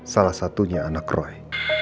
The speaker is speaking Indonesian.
salah satunya anak roy